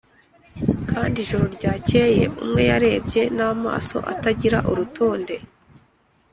kandi ,, ijoro ryakeye, umwe yarebye n'amaso atagira urutonde